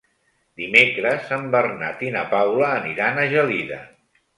Dimecres en Bernat i na Paula aniran a Gelida.